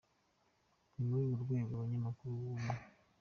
Ni muri urwo rwego umunyamakuru w’Ubumwe.